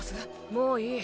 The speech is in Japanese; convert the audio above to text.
もういい。